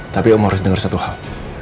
tapi kamu harus dengar satu hal